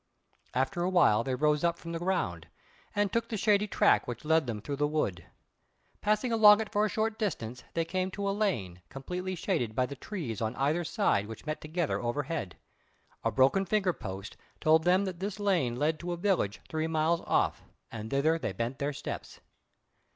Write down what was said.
After a while they rose up from the ground, and took the shady track which led them through the wood. Passing along it for a short distance they came to a lane, completely shaded by the trees on either hand which met together overhead. A broken finger post told them that this lane led to a village three miles off, and thither they bent their steps.